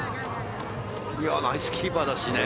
ナイスキーパーだしね。